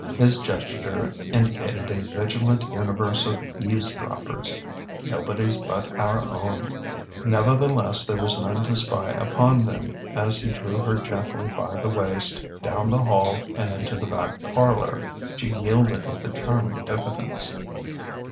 His gesture indicated a vigilant universe of eavesdroppers. "Nobody's but our own!" Nevertheless, there was none to spy upon them as he drew her gently by the waist, down the hall and into the back parlour. She yielded with a charming diffidence.